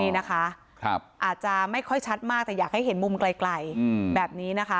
นี่นะคะอาจจะไม่ค่อยชัดมากแต่อยากให้เห็นมุมไกลแบบนี้นะคะ